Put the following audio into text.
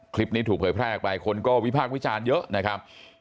คลิปนี้ถูกเผยแพร่ออกไปคนก็วิพากษ์วิจารณ์เยอะนะครับ